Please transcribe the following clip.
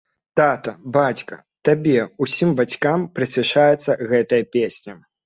Тата, бацька, табе, усім бацькам, прысвячаецца гэтая песня.